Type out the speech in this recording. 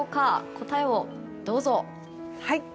答えをどうぞ。